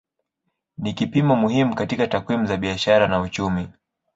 Ni kipimo muhimu katika takwimu za biashara na uchumi.